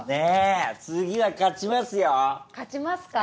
次は勝ちますよ！